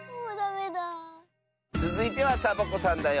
つづいてはサボ子さんだよ！